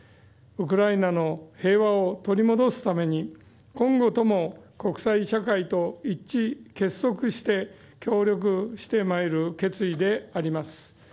ウクライナの平和を取り戻すために今後とも国際社会と一致・結束して協力してまいる決意であります。